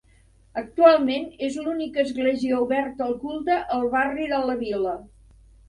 Actualment és l'única església oberta al culte al barri de la Vila.